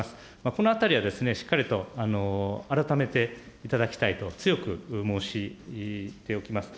このあたりはですね、しっかりと改めていただきたいと、強く申しておきます。